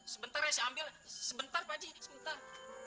sebentar ya saya ambil sebentar pak jk sebentar